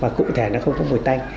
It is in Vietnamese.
và cụ thể nó không có mùi tanh